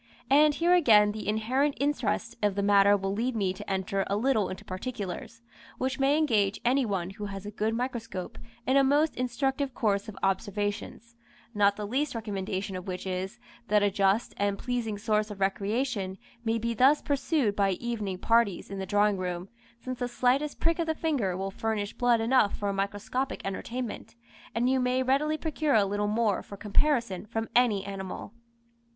And here again the inherent interest of the matter will lead me to enter a little into particulars, which may engage any one who has a good microscope in a most instructive course of observations, not the least recommendation of which is, that a just and pleasing source of recreation may be thus pursued by evening parties in the drawing room, since the slightest prick of the finger will furnish blood enough for a microscopic entertainment, and you may readily procure a little more for comparison from any animal.